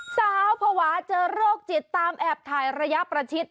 ภาวะเจอโรคจิตตามแอบถ่ายระยะประชิด